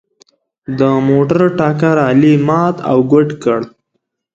د موټر ټکر علي مات او ګوډ کړ.